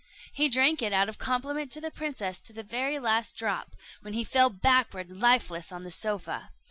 He drank it out of compliment to the princess to the very last drop, when he fell backward lifeless on the sofa.